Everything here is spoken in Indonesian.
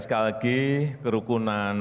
sekali lagi kerukunan